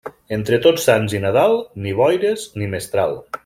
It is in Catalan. Entre Tots Sants i Nadal, ni boires ni mestral.